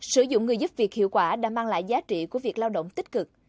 sử dụng người giúp việc hiệu quả đã mang lại giá trị của việc lao động tích cực